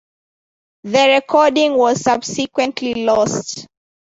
The recording was subsequently lost.